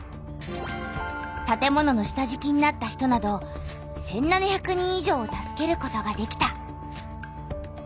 たて物の下じきになった人など１７００人以上を助けることができた。